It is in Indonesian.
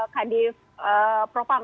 kadif propang ya